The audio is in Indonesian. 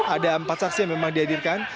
ada empat saksi yang memang dihadirkan